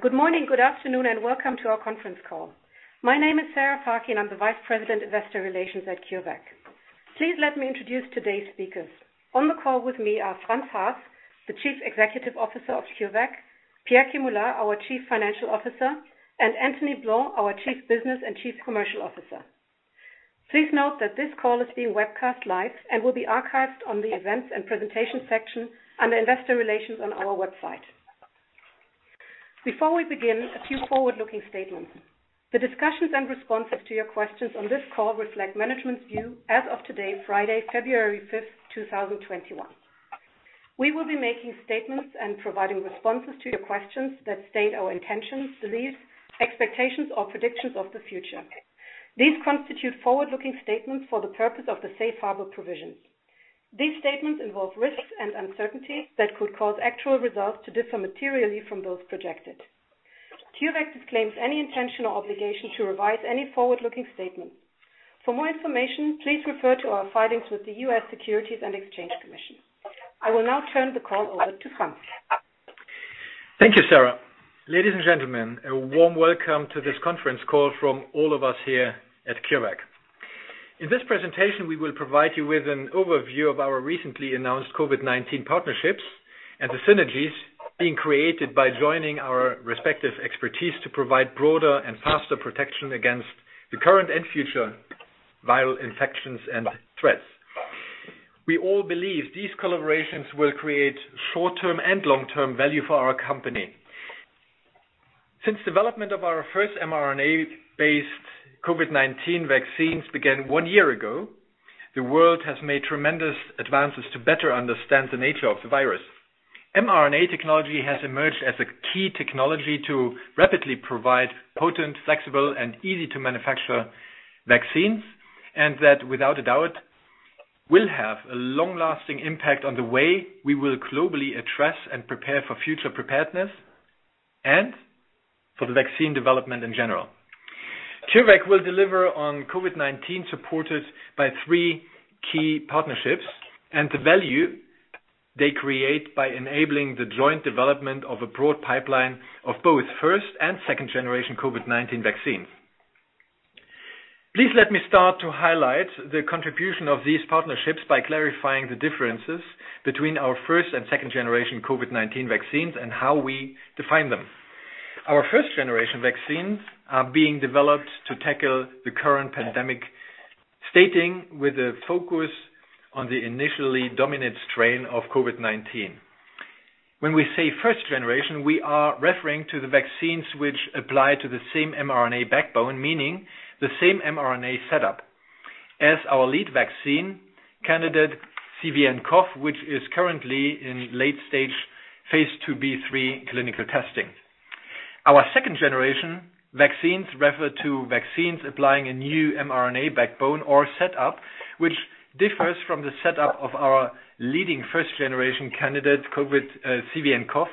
Good morning, good afternoon, and welcome to our conference call. My name is Sarah Fakih, and I'm the Vice President Investor Relations at CureVac. Please let me introduce today's speakers. On the call with me are Franz Haas, the Chief Executive Officer of CureVac, Pierre Kemula, our Chief Financial Officer, and Antony Blanc, our Chief Business and Chief Commercial Officer. Please note that this call is being webcast live and will be archived on the events and presentation section under investor relations on our website. Before we begin, a few forward-looking statements. The discussions and responses to your questions on this call reflect management's view as of today, Friday, February 5th, 2021. We will be making statements and providing responses to your questions that state our intentions, beliefs, expectations, or predictions of the future. These constitute forward-looking statements for the purpose of the safe harbor provisions. These statements involve risks and uncertainties that could cause actual results to differ materially from those projected. CureVac disclaims any intention or obligation to revise any forward-looking statement. For more information, please refer to our filings with the U.S. Securities and Exchange Commission. I will now turn the call over to Franz. Thank you, Sarah. Ladies and gentlemen, a warm welcome to this conference call from all of us here at CureVac. In this presentation, we will provide you with an overview of our recently announced COVID-19 partnerships and the synergies being created by joining our respective expertise to provide broader and faster protection against the current and future viral infections and threats. We all believe these collaborations will create short-term and long-term value for our company. Since development of our first mRNA-based COVID-19 vaccines began one year ago, the world has made tremendous advances to better understand the nature of the virus. mRNA technology has emerged as a key technology to rapidly provide potent, flexible, and easy-to-manufacture vaccines, and that, without a doubt, will have a long-lasting impact on the way we will globally address and prepare for future preparedness and for the vaccine development in general. CureVac will deliver on COVID-19, supported by three key partnerships and the value they create by enabling the joint development of a broad pipeline of both first and second-generation COVID-19 vaccines. Please let me start to highlight the contribution of these partnerships by clarifying the differences between our first and second-generation COVID-19 vaccines and how we define them. Our first-generation vaccines are being developed to tackle the current pandemic, starting with a focus on the initially dominant strain of COVID-19. When we say first generation, we are referring to the vaccines which apply to the same mRNA backbone, meaning the same mRNA setup as our lead vaccine candidate, CVnCoV, which is currently in late stage phase IIb/III clinical testing. Our second-generation vaccines refer to vaccines applying a new mRNA backbone or setup, which differs from the setup of our leading first-generation candidate COVID, CVnCoV,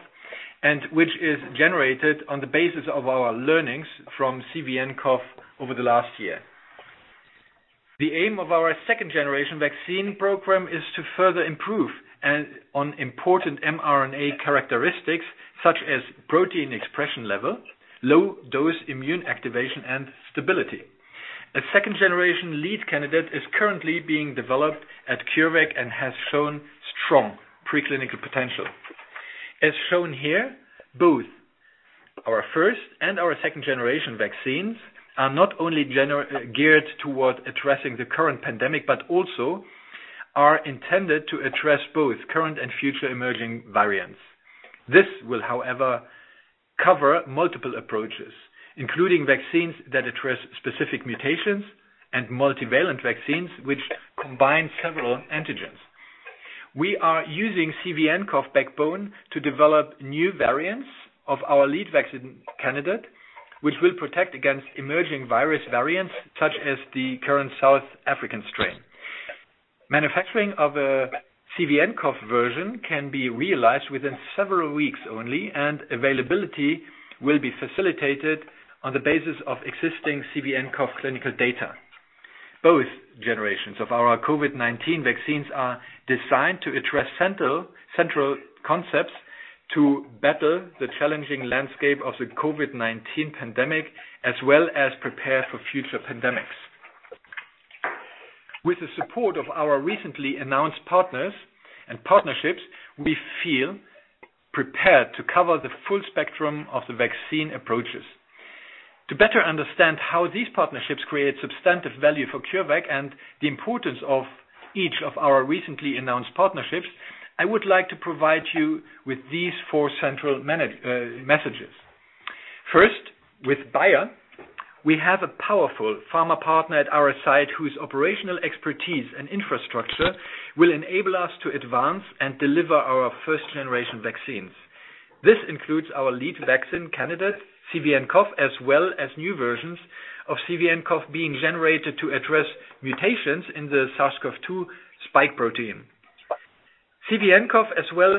and which is generated on the basis of our learnings from CVnCoV over the last year. The aim of our second-generation vaccine program is to further improve on important mRNA characteristics such as protein expression level, low dose immune activation, and stability. A second-generation lead candidate is currently being developed at CureVac and has shown strong preclinical potential. As shown here, both our first and our second-generation vaccines are not only geared toward addressing the current pandemic, but also are intended to address both current and future emerging variants. This will, however, cover multiple approaches, including vaccines that address specific mutations and multivalent vaccines, which combine several antigens. We are using CVnCoV backbone to develop new variants of our lead vaccine candidate, which will protect against emerging virus variants such as the current South African strain. Manufacturing of a CVnCoV version can be realized within several weeks only, and availability will be facilitated on the basis of existing CVnCoV clinical data. Both generations of our COVID-19 vaccines are designed to address central concepts to better the challenging landscape of the COVID-19 pandemic, as well as prepare for future pandemics. With the support of our recently announced partners and partnerships, we feel prepared to cover the full spectrum of the vaccine approaches. To better understand how these partnerships create substantive value for CureVac and the importance of each of our recently announced partnerships, I would like to provide you with these four central messages. First, with Bayer, we have a powerful pharma partner at our side whose operational expertise and infrastructure will enable us to advance and deliver our first-generation vaccines. This includes our lead vaccine candidate, CVnCoV, as well as new versions of CVnCoV being generated to address mutations in the SARS-CoV-2 spike protein. CVnCoV, as well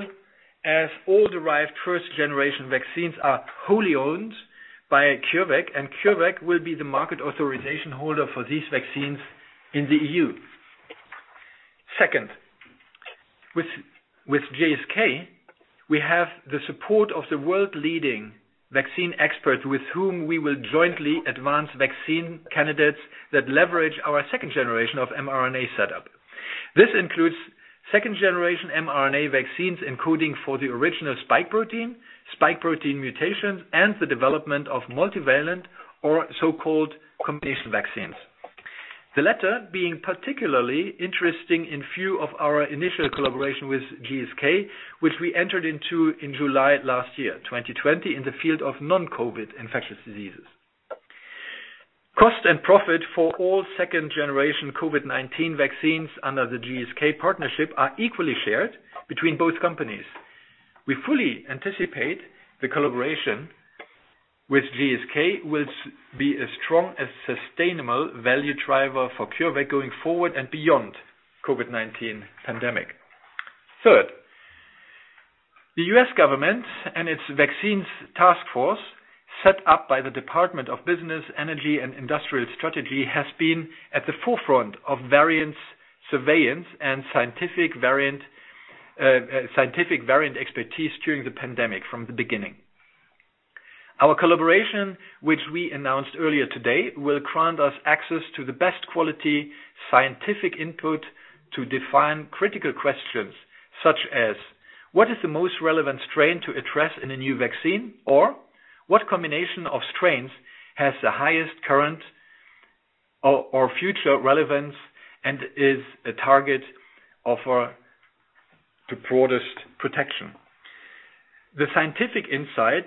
as all derived first-generation vaccines, are wholly owned by CureVac, and CureVac will be the market authorization holder for these vaccines in the EU. Second, with GSK, we have the support of the world-leading vaccine expert with whom we will jointly advance vaccine candidates that leverage our second generation of mRNA setup. This includes second generation mRNA vaccines, including for the original spike protein, spike protein mutations, and the development of multivalent or so-called combination vaccines. The latter being particularly interesting in view of our initial collaboration with GSK, which we entered into in July last year, 2020, in the field of non-COVID infectious diseases. Cost and profit for all second-generation COVID-19 vaccines under the GSK partnership are equally shared between both companies. We fully anticipate the collaboration with GSK will be a strong and sustainable value driver for CureVac going forward and beyond COVID-19 pandemic. Third, the U.S. government and its Vaccine Taskforce, set up by the Department for Business, Energy and Industrial Strategy, has been at the forefront of variants surveillance and scientific variant expertise during the pandemic from the beginning. Our collaboration, which we announced earlier today, will grant us access to the best quality scientific input to define critical questions, such as, what is the most relevant strain to address in a new vaccine? What combination of strains has the highest current or future relevance and is a target offer the broadest protection? The scientific insight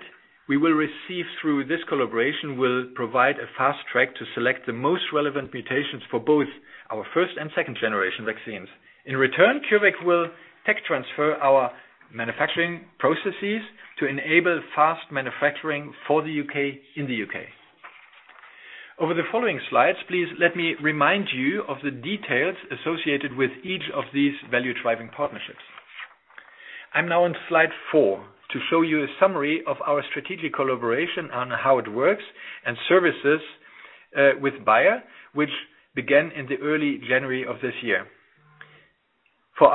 we will receive through this collaboration will provide a fast track to select the most relevant mutations for both our first and second generation vaccines. In return, CureVac will tech transfer our manufacturing processes to enable fast manufacturing for the U.K., in the U.K. Over the following slides, please let me remind you of the details associated with each of these value driving partnerships. I'm now on slide 4 to show you a summary of our strategic collaboration on how it works and services, with Bayer, which began in the early January of this year. For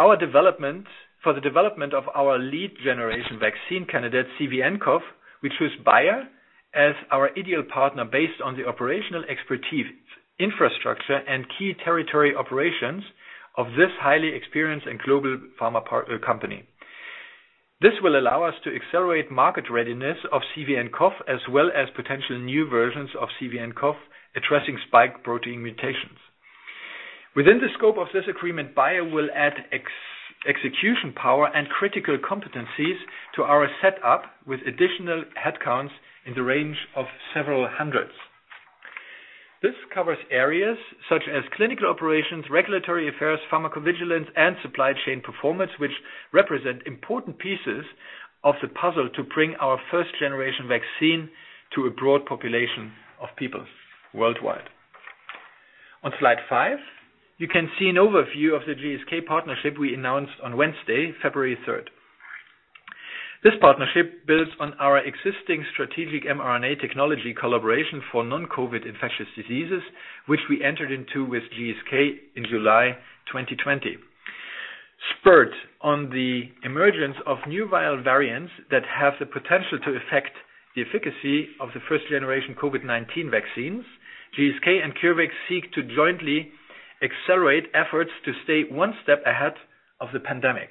the development of our lead generation vaccine candidate, CVnCoV, we choose Bayer as our ideal partner based on the operational expertise, infrastructure, and key territory operations of this highly experienced and global pharma company. This will allow us to accelerate market readiness of CVnCoV, as well as potential new versions of CVnCoV addressing spike protein mutations. Within the scope of this agreement, Bayer will add execution power and critical competencies to our setup with additional headcounts in the range of several hundreds. This covers areas such as clinical operations, regulatory affairs, pharmacovigilance, and supply chain performance, which represent important pieces of the puzzle to bring our first generation vaccine to a broad population of people worldwide. On slide 5, you can see an overview of the GSK partnership we announced on Wednesday, February 3rd. This partnership builds on our existing strategic mRNA technology collaboration for non-COVID infectious diseases, which we entered into with GSK in July 2020. Spurred on the emergence of new viral variants that have the potential to affect the efficacy of the first generation COVID-19 vaccines, GSK and CureVac seek to jointly accelerate efforts to stay one step ahead of the pandemic.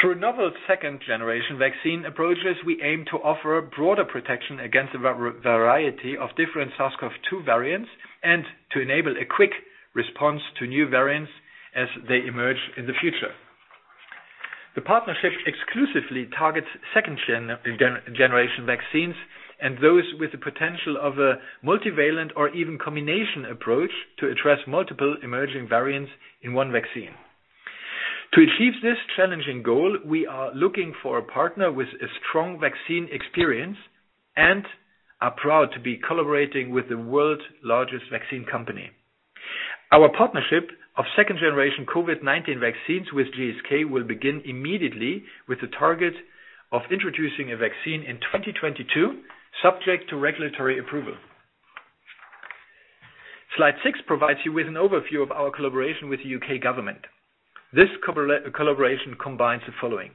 Through novel second generation vaccine approaches, we aim to offer broader protection against a variety of different SARS-CoV-2 variants, and to enable a quick response to new variants as they emerge in the future. The partnership exclusively targets second generation vaccines and those with the potential of a multivalent or even combination approach to address multiple emerging variants in one vaccine. To achieve this challenging goal, we are looking for a partner with a strong vaccine experience and are proud to be collaborating with the world's largest vaccine company. Our partnership of second generation COVID-19 vaccines with GSK will begin immediately with the target of introducing a vaccine in 2022, subject to regulatory approval. Slide 6 provides you with an overview of our collaboration with the U.K. government. This collaboration combines the following.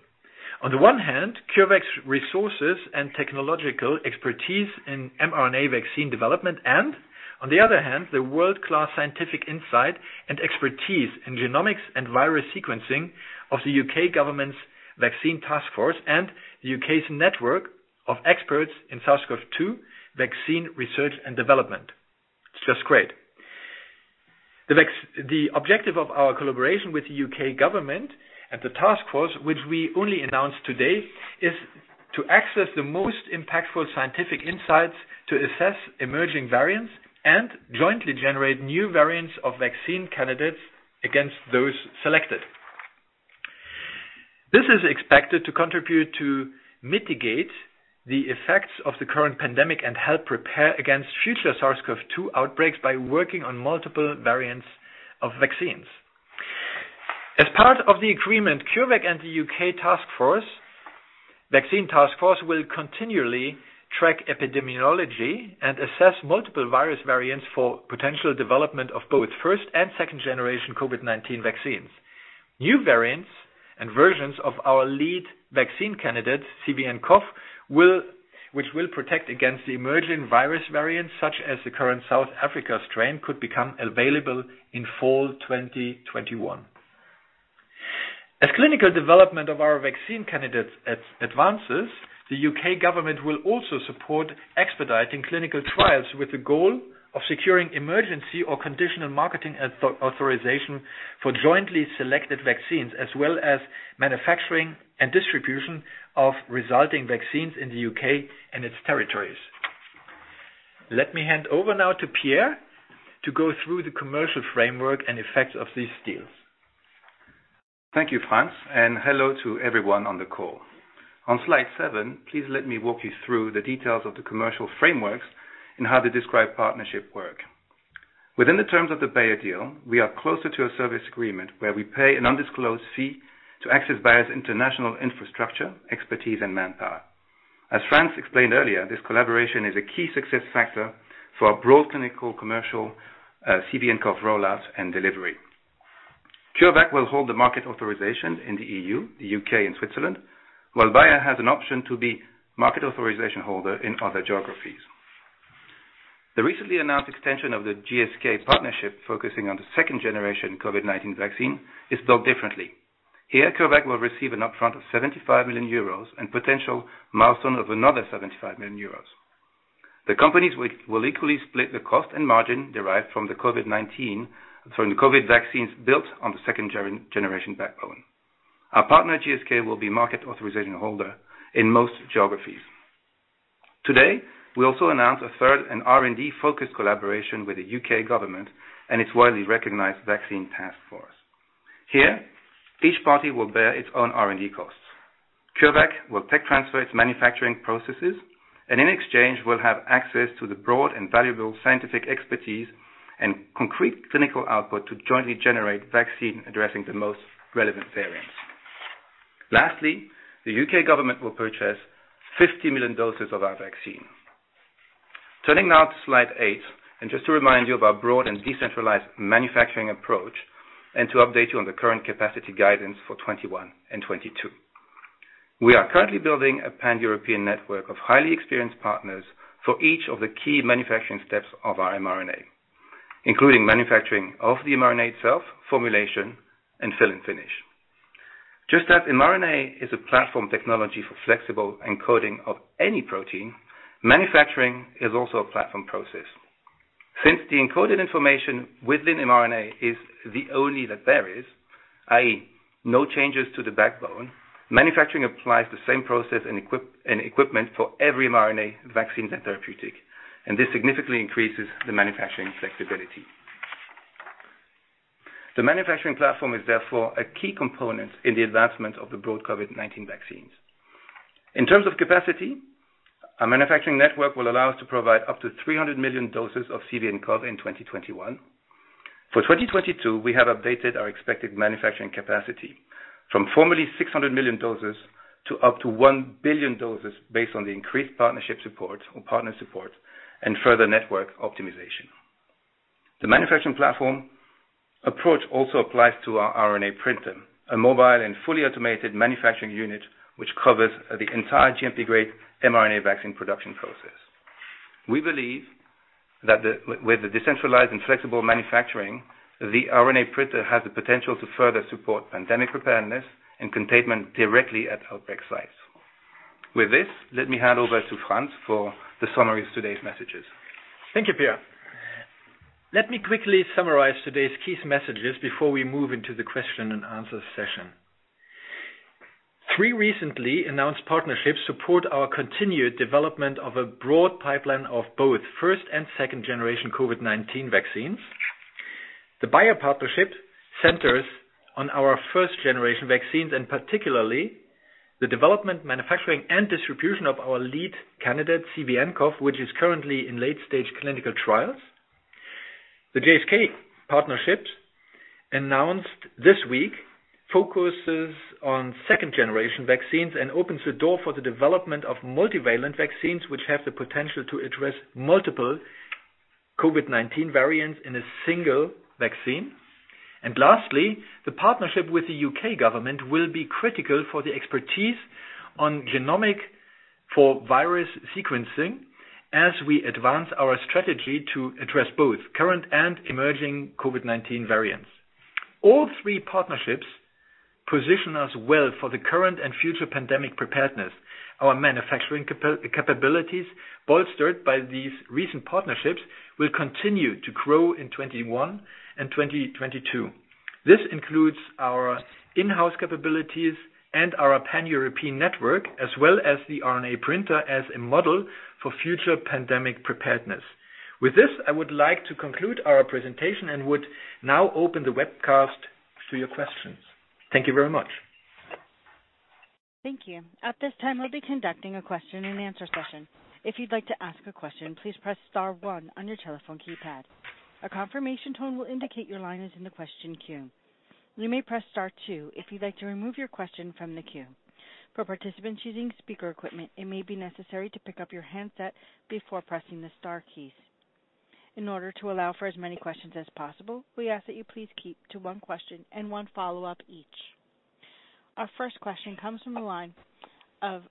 On the one hand, CureVac's resources and technological expertise in mRNA vaccine development and, on the other hand, the world-class scientific insight and expertise in genomics and virus sequencing of the U.K. government's Vaccine Taskforce and the U.K.'s network of experts in SARS-CoV-2 vaccine research and development. It's just great. The objective of our collaboration with the U.K. government and the Taskforce, which we only announced today, is to access the most impactful scientific insights to assess emerging variants and jointly generate new variants of vaccine candidates against those selected. This is expected to contribute to mitigate the effects of the current pandemic and help prepare against future SARS-CoV-2 outbreaks by working on multiple variants of vaccines. As part of the agreement, CureVac and the U.K. Vaccine Taskforce will continually track epidemiology and assess multiple virus variants for potential development of both first and second generation COVID-19 vaccines. New variants and versions of our lead vaccine candidate, CVnCoV, which will protect against the emerging virus variants such as the current South Africa strain, could become available in fall 2021. As clinical development of our vaccine candidates advances, the U.K. government will also support expediting clinical trials with the goal of securing emergency or conditional marketing authorization for jointly selected vaccines, as well as manufacturing and distribution of resulting vaccines in the U.K. and its territories. Let me hand over now to Pierre to go through the commercial framework and effects of these deals. Thank you, Franz, hello to everyone on the call. On slide 7, please let me walk you through the details of the commercial frameworks and how the described partnership work. Within the terms of the Bayer deal, we are closer to a service agreement where we pay an undisclosed fee to access Bayer's international infrastructure, expertise, and manpower. As Franz explained earlier, this collaboration is a key success factor for our broad clinical commercial CVnCoV rollout and delivery. CureVac will hold the market authorization in the EU, the U.K., and Switzerland, while Bayer has an option to be market authorization holder in other geographies. The recently announced extension of the GSK partnership focusing on the second-generation COVID-19 vaccine is built differently. Here, CureVac will receive an upfront of 75 million euros and potential milestone of another 75 million euros. The companies will equally split the cost and margin derived from the COVID vaccines built on the second-generation backbone. Our partner, GSK, will be market authorization holder in most geographies. Today, we also announced a third and R&D-focused collaboration with the U.K. government and its widely recognized Vaccine Taskforce. Here, each party will bear its own R&D costs. CureVac will tech transfer its manufacturing processes, and in exchange, will have access to the broad and valuable scientific expertise and concrete clinical output to jointly generate vaccine addressing the most relevant variants. Lastly, the U.K. government will purchase 50 million doses of our vaccine. Turning now to slide 8, just to remind you of our broad and decentralized manufacturing approach, and to update you on the current capacity guidance for 2021 and 2022. We are currently building a Pan-European network of highly experienced partners for each of the key manufacturing steps of our mRNA, including manufacturing of the mRNA itself, formulation, and fill and finish. Just as mRNA is a platform technology for flexible encoding of any protein, manufacturing is also a platform process. Since the encoded information within mRNA is the only that there is, i.e., no changes to the backbone, manufacturing applies the same process and equipment for every mRNA vaccine and therapeutic, and this significantly increases the manufacturing flexibility. The manufacturing platform is therefore a key component in the advancement of the broad COVID-19 vaccines. In terms of capacity, our manufacturing network will allow us to provide up to 300 million doses of CVnCoV in 2021. For 2022, we have updated our expected manufacturing capacity from formerly 600 million doses to up to 1 billion doses based on the increased partnership support or partner support and further network optimization. The manufacturing platform approach also applies to our RNA Printer, a mobile and fully automated manufacturing unit, which covers the entire GMP-grade mRNA vaccine production process. We believe that with the decentralized and flexible manufacturing, the RNA Printer has the potential to further support pandemic preparedness and containment directly at outbreak sites. With this, let me hand over to Franz for the summary of today's messages. Thank you, Pierre. Let me quickly summarize today's key messages before we move into the question and answer session. Three recently announced partnerships support our continued development of a broad pipeline of both first and second generation COVID-19 vaccines. The Bayer partnership centers on our first-generation vaccines, and particularly the development, manufacturing, and distribution of our lead candidate, CVnCoV, which is currently in late-stage clinical trials. The GSK partnership announced this week focuses on second-generation vaccines and opens the door for the development of multivalent vaccines, which have the potential to address multiple COVID-19 variants in a single vaccine. Lastly, the partnership with the U.K. government will be critical for the expertise on genomic for virus sequencing as we advance our strategy to address both current and emerging COVID-19 variants. All three partnerships position us well for the current and future pandemic preparedness. Our manufacturing capabilities, bolstered by these recent partnerships, will continue to grow in 2021 and 2022. This includes our in-house capabilities and our Pan-European network, as well as the RNA Printer as a model for future pandemic preparedness. With this, I would like to conclude our presentation and would now open the webcast to your questions. Thank you very much. Thank you. At this time, we'll be conducting a question and answer session. If you'd like to ask a question, please press star, one on your telephone keypad. A confirmation tone will indicate your line is in the question queue. You may press sta,r two if you'd like to remove your question from the queue. For participants using speaker equipment, it may be necessary to pick up your handset before pressing the star keys. In order to allow for as many questions as possible, we ask that you please keep to one question and one follow-up each. Our first question comes from the line of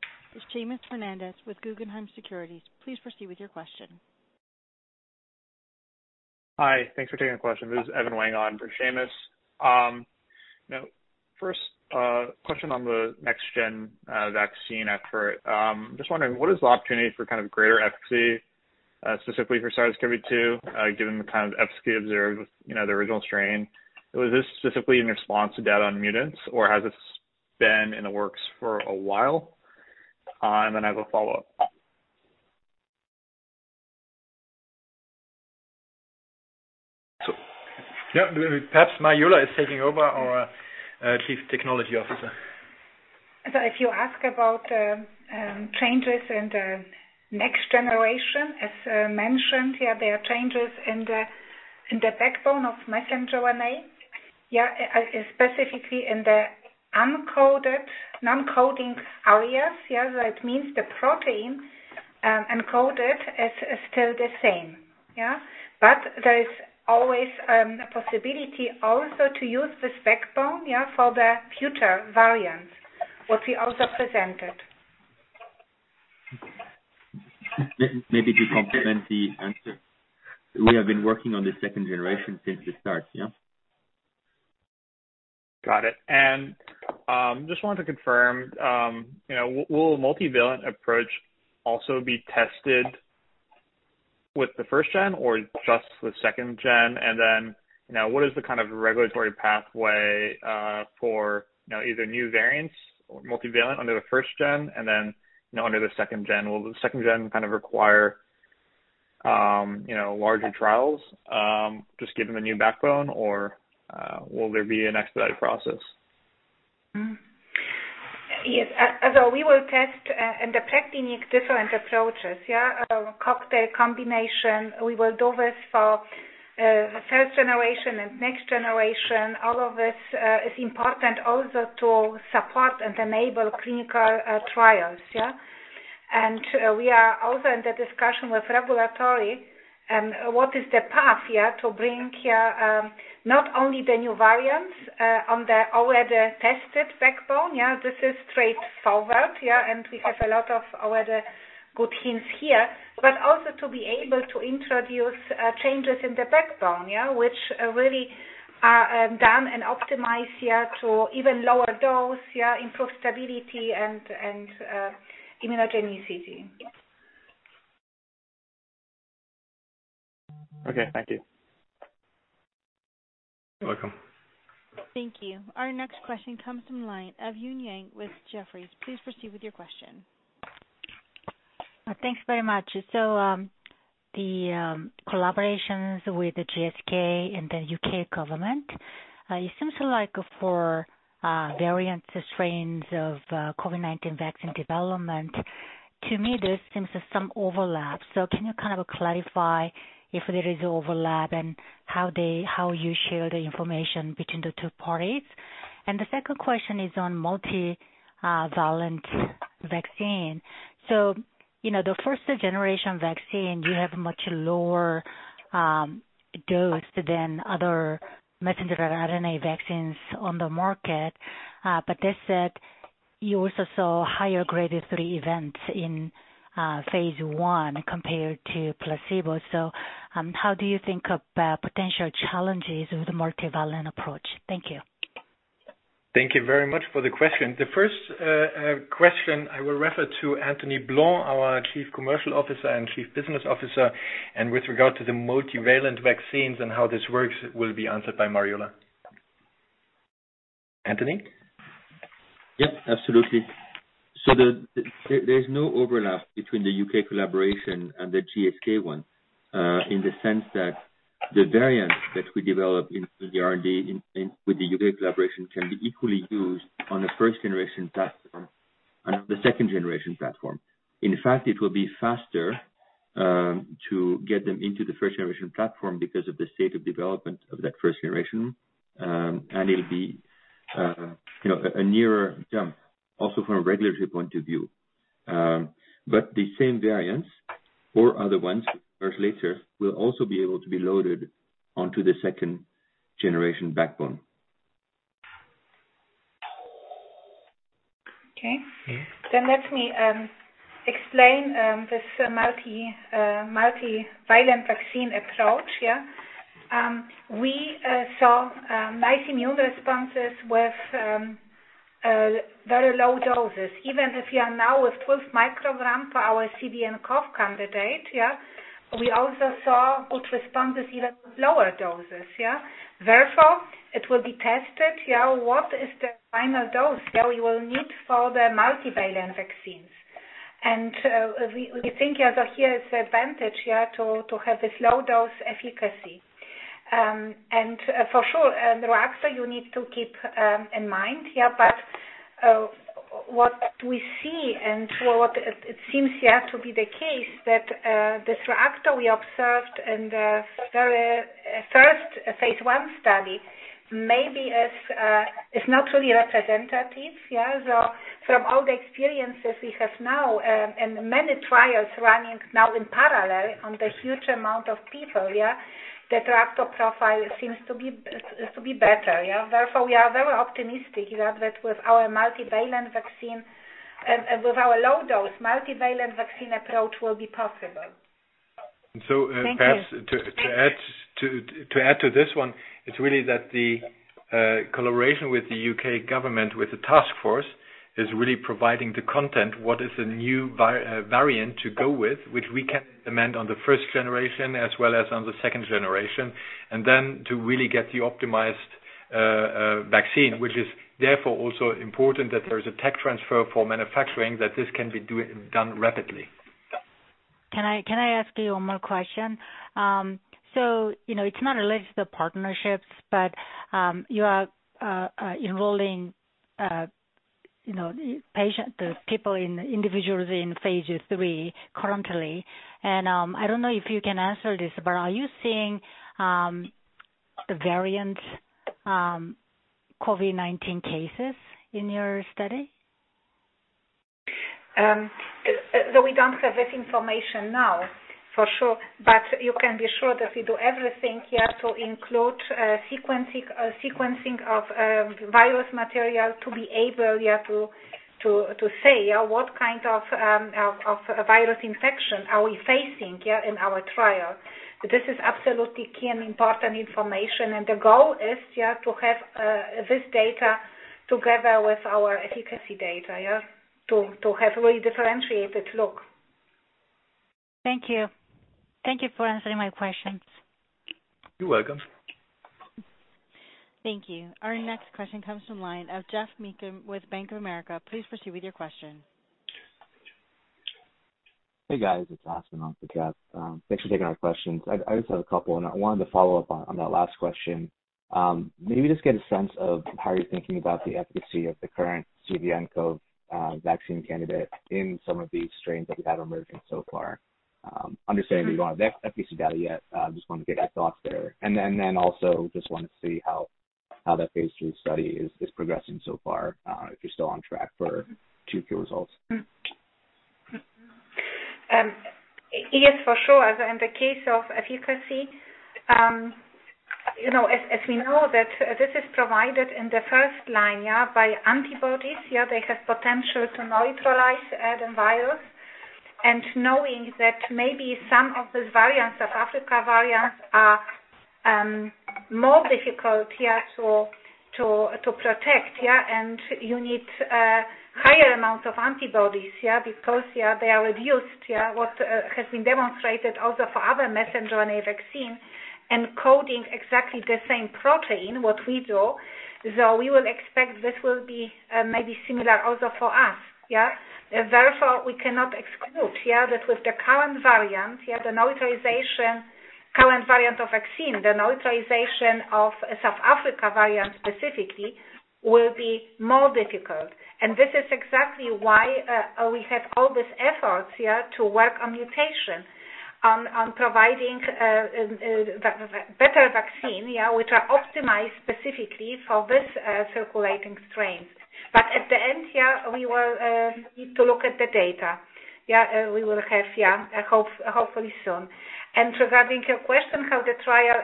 Seamus Fernandez with Guggenheim Securities. Please proceed with your question. Hi. Thanks for taking the question. This is Evan Wang on for Seamus. First question on the next gen vaccine effort. Just wondering, what is the opportunity for greater efficacy, specifically for SARS-CoV-2, given the kind of efficacy observed with the original strain? Was this specifically in response to data on mutants, or has this been in the works for a while? I have a follow-up. Yeah. Perhaps Mariola is taking over, our Chief Technology Officer. If you ask about changes in the next generation, as mentioned, there are changes in the backbone of messenger RNA. Specifically in the non-coding areas, it means the protein encoded is still the same. There is always a possibility also to use this backbone for the future variants, what we also presented. Maybe to complement the answer. We have been working on the second generation since the start. Got it. Just wanted to confirm, will a multivalent approach also be tested with the first gen or just the second gen? What is the kind of regulatory pathway for either new variants or multivalent under the first gen and then under the second gen? Will the second gen kind of require larger trials just given the new backbone, or will there be an expedited process? Yes. We will test and apply different approaches. Cocktail combination, we will do this for first generation and next generation. All of this is important also to support and enable clinical trials. We are also in the discussion with regulatory, what is the path to bring not only the new variants on the already tested backbone. This is straightforward, and we have a lot of already good hints here, but also to be able to introduce changes in the backbone, which really are done and optimized to even lower dose, improve stability and immunogenicity. Okay. Thank you. You're welcome. Thank you. Our next question comes from line of Eun Yang with Jefferies. Please proceed with your question. Thanks very much. The collaborations with the GSK and the U.K. government, it seems like for variant strains of COVID-19 vaccine development, to me, there seems some overlap. Can you kind of clarify if there is overlap and how you share the information between the two parties? The second question is on multivalent vaccine. The first generation vaccine, you have much lower dose than other messenger RNA vaccines on the market. That said, you also saw higher Grade 3 events in phase I compared to placebo. How do you think of potential challenges with the multivalent approach? Thank you. Thank you very much for the question. The first question I will refer to Antony Blanc, our Chief Commercial Officer and Chief Business Officer, and with regard to the multivalent vaccines and how this works, will be answered by Mariola. Antony? Yep, absolutely. There's no overlap between the U.K. collaboration and the GSK one, in the sense that the variants that we develop in the R&D with the U.K. collaboration can be equally used on a first generation platform and on the second generation platform. In fact, it will be faster to get them into the first generation platform because of the state of development of that first generation. It'll be a nearer jump also from a regulatory point of view. The same variants or other ones, of course, later, will also be able to be loaded onto the second generation backbone. Okay. Let me explain this multivalent vaccine approach. We saw nice immune responses with very low doses, even if you are now with 12 μg for our CVnCoV candidate. We also saw good responses, even with lower doses. Therefore, it will be tested, what is the final dose that we will need for the multivalent vaccines. We think here is the advantage, to have this low dose efficacy. For sure, the reactogenicity you need to keep in mind. What we see and what it seems to be the case, that the reactogenicity we observed in the very first phase I study maybe is not really representative. From all the experiences we have now, and many trials running now in parallel on the huge amount of people, the reactogenicity profile seems to be better. Therefore, we are very optimistic that with our multivalent vaccine, and with our low dose multivalent vaccine approach will be possible. Thank you. Perhaps to add to this one, it's really that the collaboration with the U.K. government, with the Taskforce, is really providing the content, what is the new variant to go with, which we can implement on the first generation as well as on the second generation. To really get the optimized vaccine, which is therefore also important that there is a tech transfer for manufacturing that this can be done rapidly. Can I ask you one more question? It's not related to the partnerships, but you are enrolling people, individuals in phase III currently. I don't know if you can answer this, but are you seeing the variant COVID-19 cases in your study? Though we don't have this information now, for sure. You can be sure that we do everything to include sequencing of virus material to be able to say what kind of virus infection are we facing in our trial. This is absolutely key and important information, and the goal is to have this data together with our efficacy data. To have a really differentiated look. Thank you. Thank you for answering my questions. You're welcome. Thank you. Our next question comes from line of Geoff Meacham with Bank of America. Please proceed with your question. Hey, guys. It's Geoff Meacham. Thanks for taking our questions, I just have a couple. I wanted to follow up on that last question. Maybe just get a sense of how you're thinking about the efficacy of the current CVnCoV vaccine candidate in some of the strains that we have emerging so far. Understanding you don't have efficacy data yet, just wanted to get your thoughts there. Also, just wanted to see how that phase III study is progressing so far, if you're still on track for Q2 results. Yes, for sure. In the case of efficacy, as we know that this is provided in the first line by antibodies, they have potential to neutralize the virus. Knowing that maybe some of these variants, South Africa variant, are more difficult to protect and you need higher amounts of antibodies, because they are reduced, what has been demonstrated also for other mRNA vaccine encoding exactly the same protein, what we do. We will expect this will be maybe similar also for us. Therefore, we cannot exclude that with the current variant of vaccine, the neutralization of South Africa variant specifically will be more difficult. This is exactly why we have all these efforts to work on mutation, on providing better vaccine, which are optimized specifically for this circulating strain. At the end, we will need to look at the data we will have, hopefully soon. Regarding your question, how the trial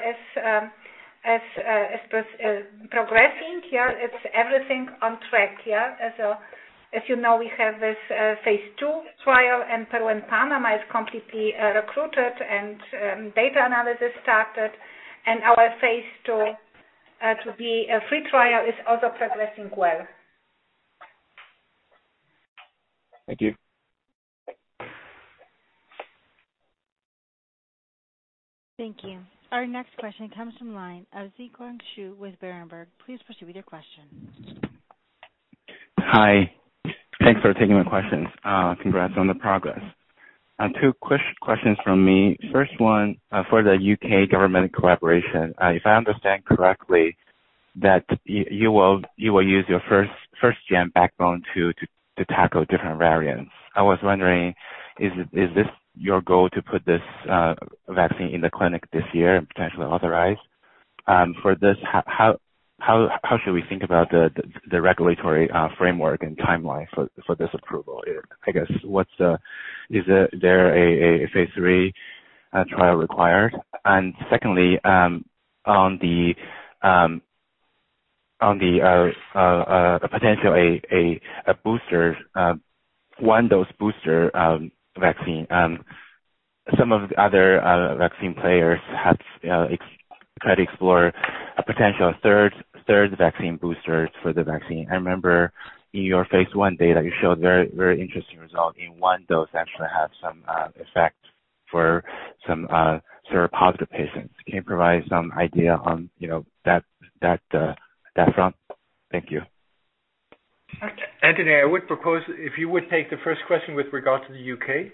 is progressing, it's everything on track. If you know we have this phase II trial in Peru and Panama is completely recruited and data analysis started, and our phase II/III trial is also progressing well. Thank you. Thank you. Our next question comes from line of Zhiqiang Shu with Berenberg. Please proceed with your question. Hi, thanks for taking my questions. Congrats on the progress. Two questions from me. First one, for the U.K. government collaboration. If I understand correctly that you will use your first gen backbone to tackle different variants. I was wondering, is this your goal to put this vaccine in the clinic this year and potentially authorize? For this, how should we think about the regulatory framework and timeline for this approval? I guess, is there a phase III trial required? Secondly, on the potential a one-dose booster vaccine. Some of the other vaccine players have tried to explore a potential third vaccine boosters for the vaccine. I remember in your phase I data, you showed very interesting result in one dose actually have some effect for some seropositive patients. Can you provide some idea on that front? Thank you. Antony, I would propose if you would take the first question with regard to the U.K.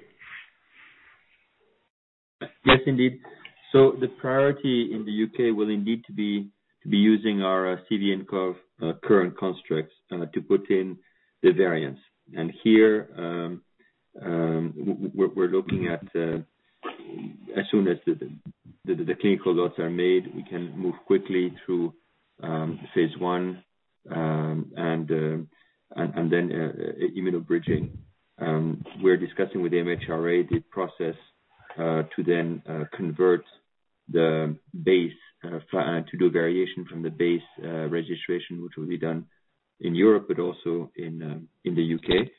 Yes, indeed. The priority in the U.K. will indeed be using our CVnCoV current constructs to put in the variants. Here, we're looking at, as soon as the clinical lots are made, we can move quickly through phase I and then immunobridging. We're discussing with the MHRA the process to then convert the base, to do variation from the base registration, which will be done in Europe but also in the U.K.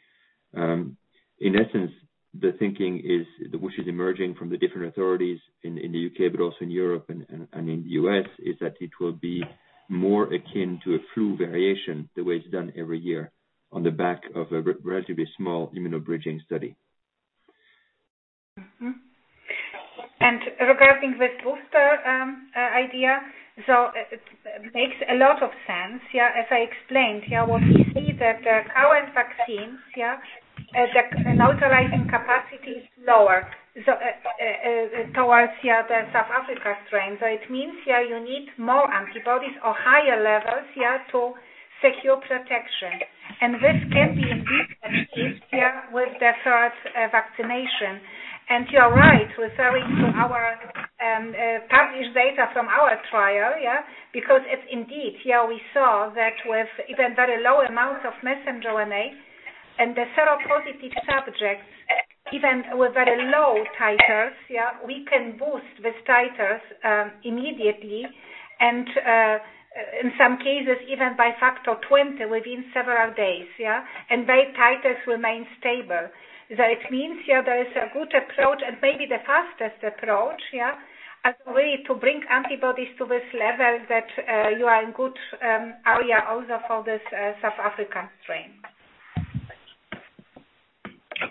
In essence, the thinking which is emerging from the different authorities in the U.K. but also in Europe and in the U.S., is that it will be more akin to a flu variation the way it's done every year on the back of a relatively small immunobridging study. Regarding the booster idea, so it makes a lot of sense. As I explained, what we see that the current vaccines, the neutralizing capacity is lower towards the South Africa strain. It means you need more antibodies or higher levels to secure protection. This can be indeed achieved here with the third vaccination. You are right, referring to our published data from our trial, because it's indeed, we saw that with even very low amounts of messenger RNA in the seropositive subjects, even with very low titers, we can boost these titers immediately and, in some cases, even by factor 20 within several days. Their titers remain stable. It means there is a good approach and maybe the fastest approach, as a way to bring antibodies to this level that you are in good area also for this South African strain.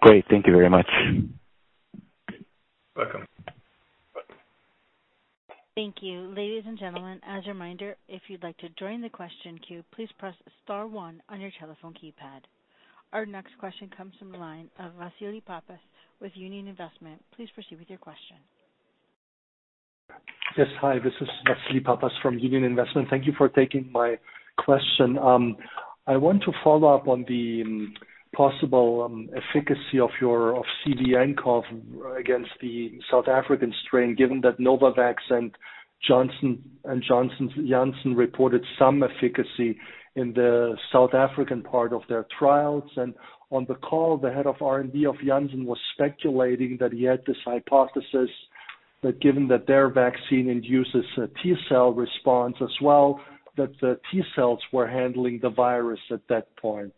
Great. Thank you very much. Welcome. Thank you. Ladies and gentlemen, as a reminder, if you would like to join a question queue, please press star, one on your telephone keypad. Our next question comes from the line of Wassili Papas with Union Investment. Please proceed with your question. Yes. Hi, this is Wassili Papas from Union Investment. Thank you for taking my question. I want to follow up on the possible efficacy of CVnCoV against the South African strain, given that Novavax and Johnson & Johnson's Janssen reported some efficacy in the South African part of their trials. On the call, the head of R&D of Janssen was speculating that he had this hypothesis that given that their vaccine induces a T-cell response as well, that the T-cells were handling the virus at that point,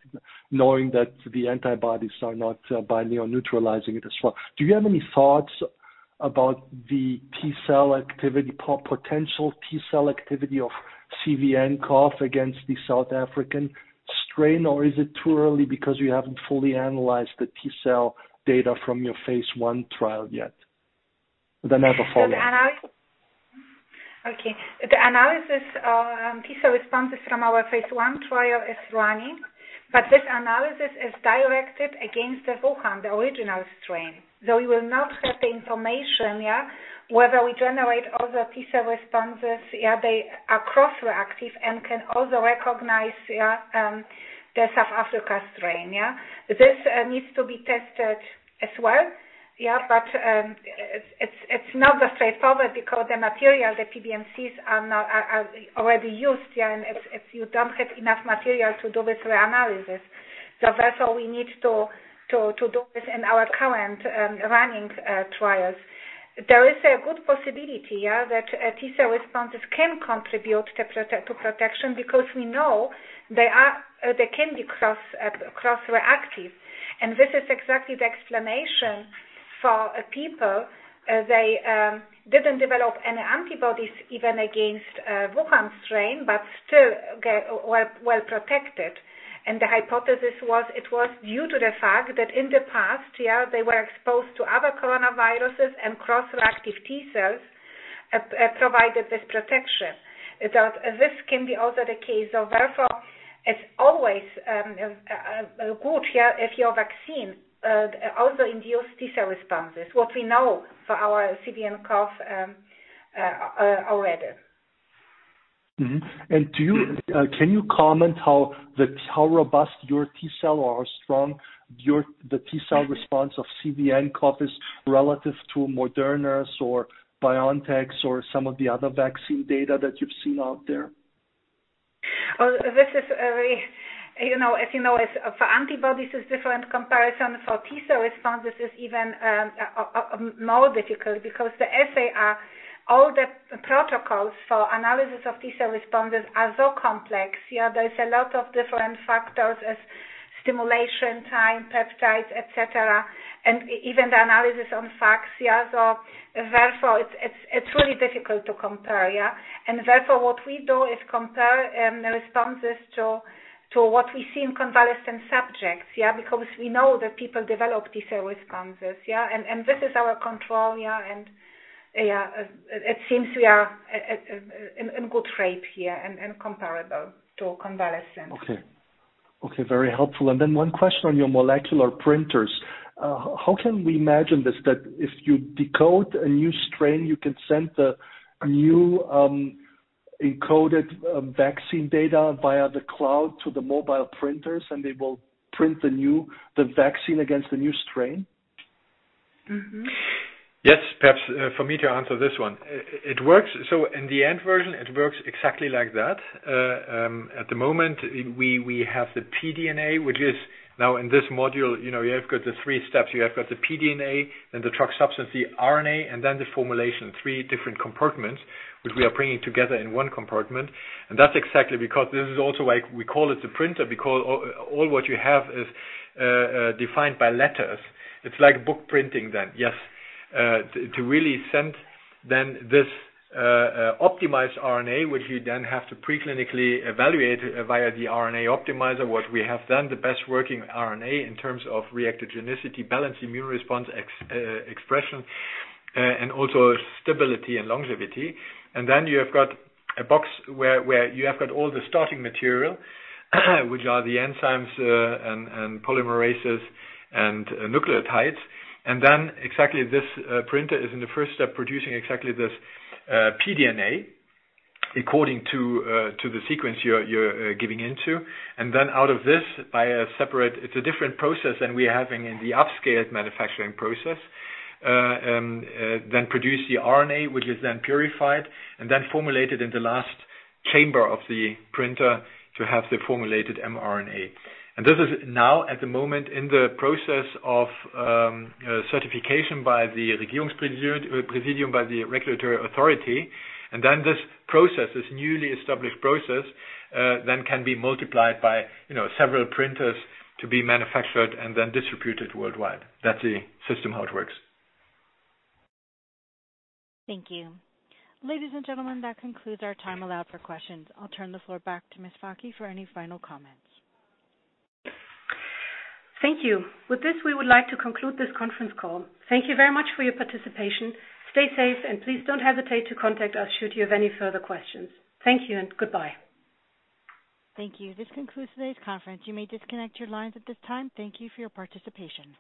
knowing that the antibodies are not [by neutralizing it as well. Do you have any thoughts about the potential T-cell activity of CVnCoV against the South African strain, or is it too early because you haven't fully analyzed the T-cell data from your phase I trial yet? I have a follow-up. Okay. The analysis of T-cell responses from our phase I trial is running, but this analysis is directed against the Wuhan, the original strain. We will not have the information whether we generate other T-cell responses, they are cross-reactive and can also recognize the South Africa strain. This needs to be tested as well. It's not straightforward because the material, the PBMCs are already used, and if you don't have enough material to do this re-analysis. Therefore, we need to do this in our current running trials. There is a good possibility that T-cell responses can contribute to protection because we know they can be cross-reactive, and this is exactly the explanation for people, they didn't develop any antibodies even against Wuhan strain, but still were well protected. The hypothesis was it was due to the fact that in the past, they were exposed to other coronaviruses and cross-reactive T-cells provided this protection. This can be also the case. Therefore, it's always good if your vaccine also induces T-cell responses, what we know for our CVnCoV already. Can you comment how robust your T-cell or how strong the T-cell response of CVnCoV is relative to Moderna's or BioNTech's or some of the other vaccine data that you've seen out there? As you know, for antibodies, it's different comparison. For T-cell responses, it's even more difficult because all the protocols for analysis of T-cell responses are so complex. There's a lot of different factors as stimulation time, peptides, et cetera, and even the analysis on FACS. Therefore, it's really difficult to compare. Therefore, what we do is compare the responses to what we see in convalescent subjects. Because we know that people develop T-cell responses. This is our control, and it seems we are in good rate here and comparable to convalescent. Okay, very helpful. One question on your molecular printers. How can we imagine this, that if you decode a new strain, you can send the new encoded vaccine data via the cloud to the mobile printers, and they will print the vaccine against the new strain? Yes, perhaps for me to answer this one. It works. In the end version, it works exactly like that. At the moment, we have the pDNA, which is now in this module, you have got the three steps. You have got the pDNA, then the drug substance, the RNA, and then the formulation, three different compartments, which we are bringing together in one compartment. That's exactly because this is also why we call it the printer, because all what you have is defined by letters. It's like book printing then. Yes, to really send then this optimized RNA, which we then have to pre-clinically evaluate via the RNA optimizer, what we have then, the best working RNA in terms of reactogenicity, balanced immune response expression, and also stability and longevity. You've got a box where you've got all the starting material, which are the enzymes and polymerases and nucleotides. Exactly this printer is in the first step, producing exactly this pDNA according to the sequence you're giving into. Out of this, via separate, it's a different process than we are having in the upscaled manufacturing process, then produce the RNA, which is then purified and then formulated in the last chamber of the printer to have the formulated mRNA. This is now at the moment in the process of certification by the Regierungspräsidium, by the regulatory authority. This process, this newly established process, then can be multiplied by several printers to be manufactured and then distributed worldwide. That's the system, how it works. Thank you. Ladies and gentlemen, that concludes our time allowed for questions. I'll turn the floor back to Ms. Fakih for any final comments. Thank you. With this, we would like to conclude this conference call. Thank you very much for your participation. Stay safe, and please don't hesitate to contact us should you have any further questions. Thank you and goodbye. Thank you. This concludes today's conference. You may disconnect your lines at this time. Thank you for your participation.